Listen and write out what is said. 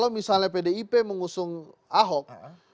misalnya pdip mengusung ahok